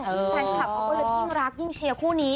แฟนคลับเขาก็เลยยิ่งรักยิ่งเชียร์คู่นี้